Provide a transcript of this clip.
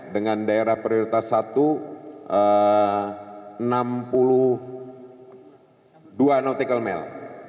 dengan daerah prioritas satu enam puluh dua nautical mil